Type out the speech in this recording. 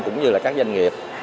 cũng như các doanh nghiệp